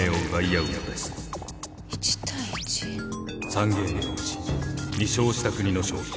３ゲームのうち２勝した国の勝利。